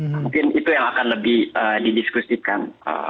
mungkin itu yang akan lebih didiskusikan